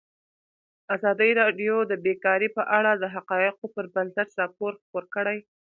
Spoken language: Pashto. ازادي راډیو د بیکاري په اړه د حقایقو پر بنسټ راپور خپور کړی.